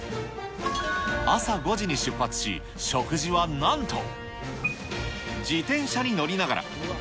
朝５時に出発し、食事はなんと、自転車に乗りながら。